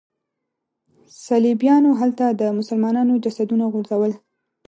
صلیبیانو هلته د مسلمانانو جسدونه غورځول.